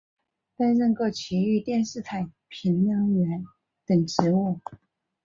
担任过崎玉电视台评论员等职务。